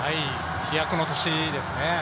飛躍の年ですね。